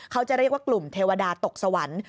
เขาจะเรียกว่ากลุ่มเทวดาตกสวรรค์